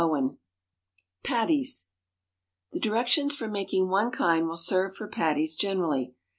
XIII. PATTIES. The directions for making one kind will serve for patties generally.